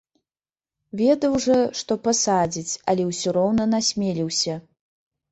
Ведаў жа, што пасадзяць, але ўсё роўна насмеліўся.